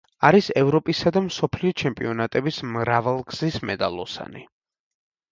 არის ევროპისა და მსოფლიო ჩემპიონატების მრავალგზის მედალოსანი.